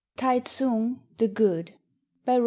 TAI TSUNG THE GOOD BY REV.